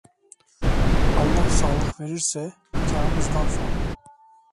Allah sağlık verirse, nikâhımızdan sonra…